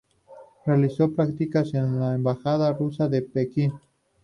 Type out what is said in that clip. Realizó prácticas en la embajada rusa en Pekín.